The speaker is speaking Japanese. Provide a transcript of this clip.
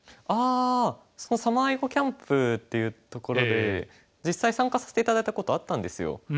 ああサマー碁キャンプっていうところで実際参加させて頂いたことあったんですよ